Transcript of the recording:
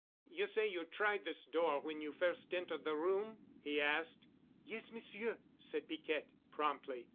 "You say you tried this door when you first—entered the room?" he asked. "Yes, Monsieur," said Piquette promptly.